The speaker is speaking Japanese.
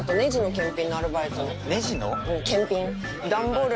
検品。